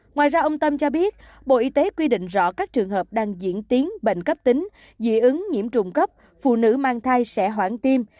ngoài ra ông tâm cho biết bộ y tế quy định rõ các trường hợp đang diễn tiến bệnh cấp tính dị ứng nhiễm trùng cấp phụ nữ mang thai sẽ hoãn tim